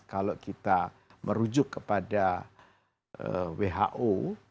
kalau kita merujuk kepada who